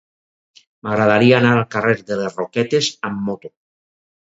M'agradaria anar al carrer de les Roquetes amb moto.